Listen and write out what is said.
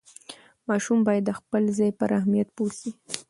ماشوم باید د خپل ځای پر اهمیت پوه شي.